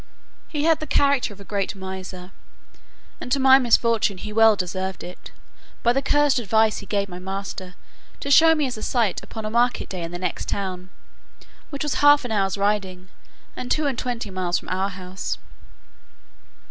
He had the character of a great miser; and, to my misfortune, he well deserved it, by the cursed advice he gave my master, to show me as a sight upon a market day in the next town, which was half an hour's riding, about two and twenty miles from our house.